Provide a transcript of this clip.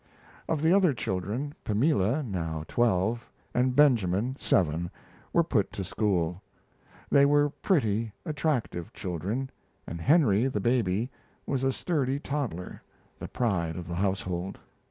Of the other children Pamela, now twelve, and Benjamin, seven, were put to school. They were pretty, attractive children, and Henry, the baby, was a sturdy toddler, the pride of the household.